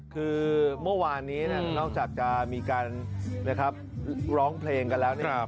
คือเมื่อวานนี้นอกจากจะมีการนะครับร้องเพลงกันแล้วเนี่ย